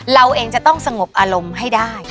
เราเองจะต้องสงบอารมณ์ให้ได้